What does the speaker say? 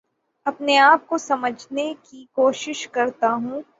اپنے آپ کو سمجھنے کی کوشش کرتا ہوں